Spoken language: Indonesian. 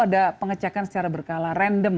ada pengecekan secara berkala random